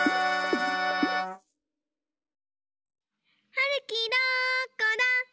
はるきどこだ？